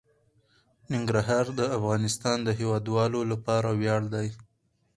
ننګرهار د افغانستان د هیوادوالو لپاره ویاړ دی.